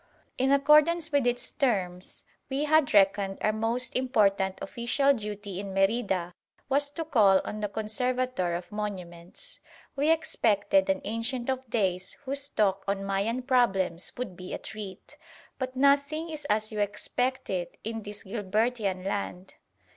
In accordance with its terms, we had reckoned our most important official duty in Merida was to call on the Conservator of Monuments. We expected an Ancient of Days whose talk on Mayan problems would be a treat. But nothing is as you expect it in this Gilbertian land.